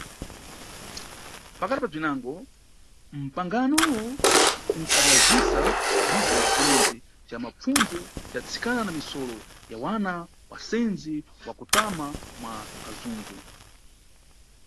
Pakati pa bzwinango, mpanganoyo unkadazisa livu la cirondzi ca mapfundzo ca atsikana na misolo ya wana wa asendzi wa kutama mwa azungu.